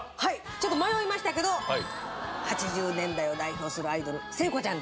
ちょっと迷いましたけど８０年代を代表するアイドル聖子ちゃんで。